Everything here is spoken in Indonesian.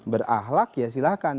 berahlak ya silakan